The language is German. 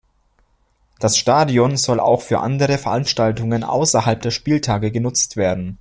Das Stadion soll auch für andere Veranstaltungen außerhalb der Spieltage genutzt werden.